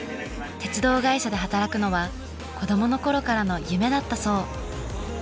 鉄道会社で働くのは子供の頃からの夢だったそう。